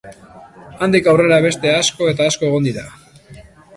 Handik aurrera beste asko eta asko egon dira.